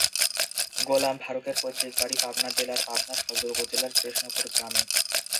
গোলাম ফারুকের পৈতৃক বাড়ি পাবনা জেলার পাবনা সদর উপজেলার কৃষ্ণপুর গ্রামে।